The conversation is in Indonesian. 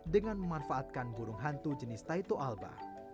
dengan memanfaatkan burung hantu jenis taito alba